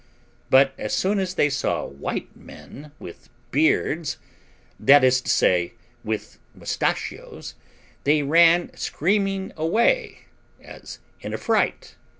But as soon as they saw white men with beards, that is to say, with mustachios, they ran screaming away, as in a fright.